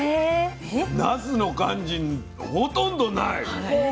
なすの感じほとんどない。